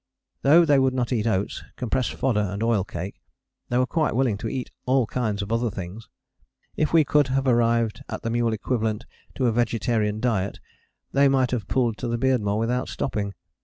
" Though they would not eat oats, compressed fodder and oil cake, they were quite willing to eat all kinds of other things. If we could have arrived at the mule equivalent to a vegetarian diet they might have pulled to the Beardmore without stopping.